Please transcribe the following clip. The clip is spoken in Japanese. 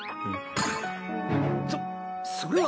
そそれは。